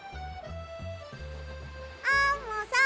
アンモさん！